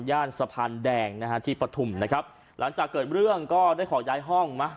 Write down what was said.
ย่านสะพานแดงนะฮะที่ปฐุมนะครับหลังจากเกิดเรื่องก็ได้ขอย้ายห้องมา